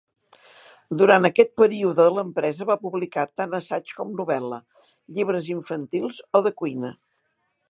Durant aquest període l'empresa va publicar tant assaig com novel·la, llibres infantils o de cuina.